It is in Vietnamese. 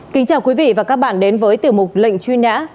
kính chào quý vị và các bạn đến với tiểu mục lệnh truy nã